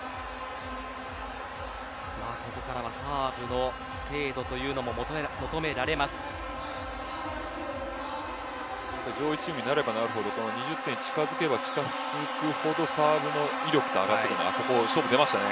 ここからはサーブの精度というのも上位チームになればなるほど２０点に近づけば近づくほどサーブの威力が上がるので勝負に出ましたね。